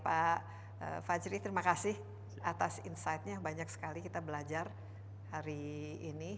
pak fajri terima kasih atas insightnya banyak sekali kita belajar hari ini